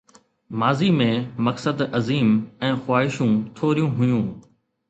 ماضي ۾، مقصد عظيم ۽ خواهشون ٿوريون هيون.